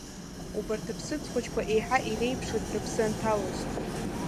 Убарҭ аԥсыӡ хәыҷқәа еиҳа иреиԥшын рыԥсы анҭалоз.